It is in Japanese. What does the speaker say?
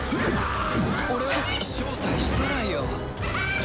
俺は招待してないよ。